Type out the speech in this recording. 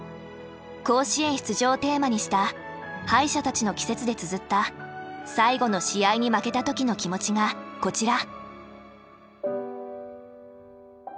「甲子園出場」をテーマにした「敗者たちの季節」でつづった最後の試合に負けた時の気持ちがこちら。